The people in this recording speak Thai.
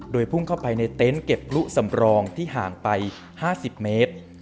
โดยพุ่งเข้าไปในเต็นต์เก็บพลุสำรองที่ห่างไป๕๐เมตร